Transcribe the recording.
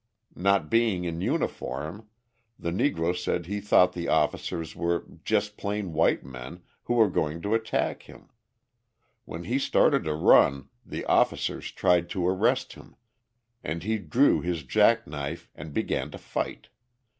Not being in uniform the Negro said he thought the officers were "jes' plain white men" who were going to attack him. When he started to run the officers tried to arrest him, and he drew his jack knife and began to fight.